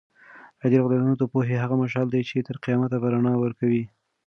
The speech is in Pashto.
علي رض د پوهې هغه مشعل دی چې تر قیامته به رڼا ورکوي.